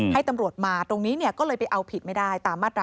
ให้ตำรวจมาตรงนี้ก็เลยไปเอาผิดไม่ได้ตามมาตรา๑